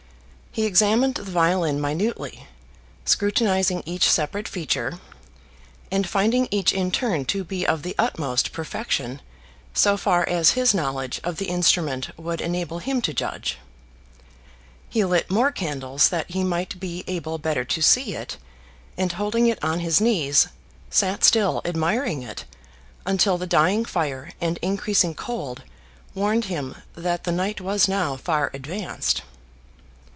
He examined the violin minutely, scrutinising each separate feature, and finding each in turn to be of the utmost perfection, so far as his knowledge of the instrument would enable him to judge. He lit more candles that he might be able better to see it, and holding it on his knees, sat still admiring it until the dying fire and increasing cold warned him that the night was now far advanced.